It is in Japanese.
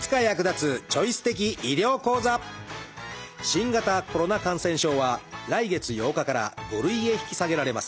新型コロナ感染症は来月８日から５類へ引き下げられます。